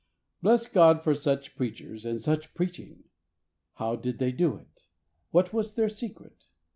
Bless God for such preachers and such preaching! How did they do it? What was their secret?